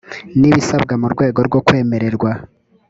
n ibisabwa mu rwego rwo kwemererwa